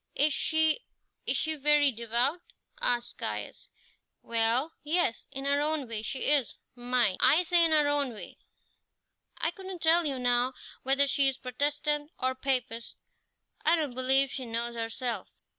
"Is she is she very devout?" asked Caius. "Well, yes, in her own way she is mind, I say in her own way. I couldn't tell you, now, whether she is Protestant or Papist; I don't believe she knows herself."